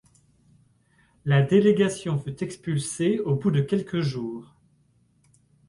La délégation fut expulsée au bout de quelques jours.